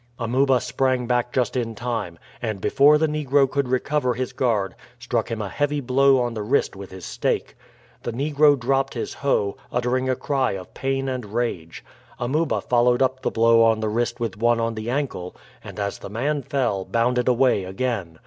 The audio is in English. Amuba sprang back just in time, and before the negro could recover his guard, struck him a heavy blow on the wrist with his stake. The negro dropped his hoe, uttering a cry of pain and rage. Amuba followed up the blow on the wrist with one on the ankle, and as the man fell, bounded away again.